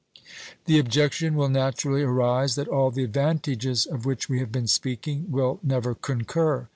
The objection will naturally arise, that all the advantages of which we have been speaking will never concur.